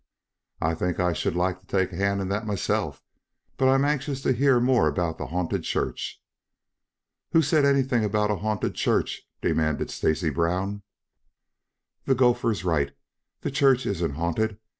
"I think I should like to take a hand in that myself. But I am anxious to hear more about the haunted church." "Who said anything about a haunted church?" demanded Stacy Brown. "The gopher is right. The church isn't haunted.